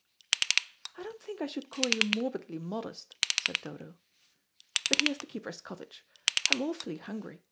"I don't think I should call you morbidly modest," said Dodo. "But here's the keeper's cottage. I'm awfully hungry.